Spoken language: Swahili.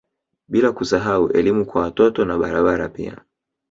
Bila kusahau elimu kwa watoto na barabara pia